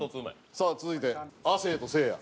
さあ続いて亜生とせいや。